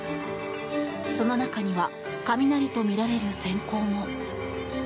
その中には雷とみられる閃光も。